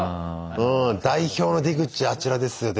代表の「出口あちらですよ」